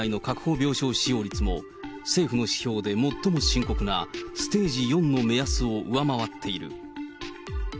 病床使用率も、政府の指標で最も深刻なステージ４の目安を上回っている。